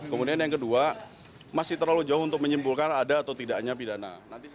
kemudian yang kedua masih terlalu jauh untuk menyimpulkan ada atau tidaknya pidana